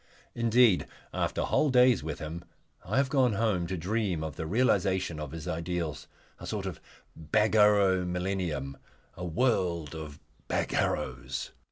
Indeed, after whole days with him I have gone home to dream of the realisation of his ideals, a sort of Bagarrow millennium, a world of Bagarrows.